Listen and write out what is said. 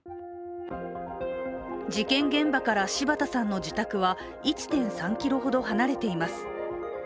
事件現場から柴田さんの自宅は１．３ｋｍほど離れています。